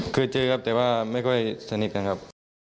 เคยเจอครับแต่ว่าไม่ค่อยสนิทกันครับ